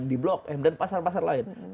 di blok m dan pasar pasar lain